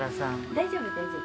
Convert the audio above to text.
大丈夫大丈夫。